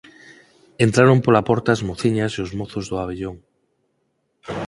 entraron pola porta as mociñas e os mozos do abellón.